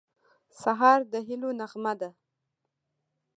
سهار د هیلو نغمه ده.